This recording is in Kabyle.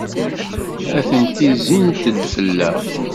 Atenti zzint-d fell-aɣ.